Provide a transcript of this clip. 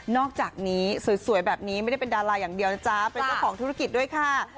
นอกจากนนี้สวยแบบนี้ไม่ได้เป็นดาราอย่างเดียวเฉพาะถูกกิษด้วยค่ะ